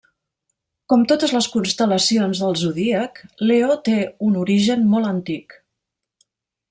Com totes les constel·lacions del Zodíac, Leo té un origen molt antic.